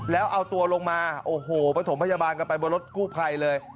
แล้วเอาตัวลงมาโอ้โหประถมพยาบาลกันไปบนรถกู้ภัยเลย